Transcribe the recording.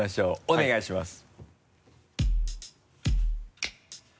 お願いします。